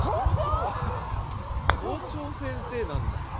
校長先生なんだ。